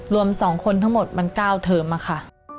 รวม๒คนทั้งหมดมัน๙เทอมอะค่ะ